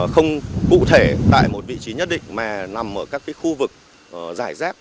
không cụ thể tại một vị trí nhất định mà nằm ở các khu vực giải rác